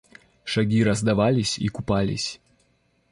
Шаги раздавались и купались.